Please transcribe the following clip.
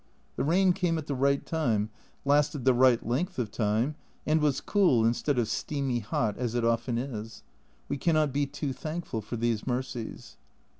The rain came at the right time, lasted the right length of time, and was cool instead of "steamy hot," as it often is we cannot be too thankful for these mercies.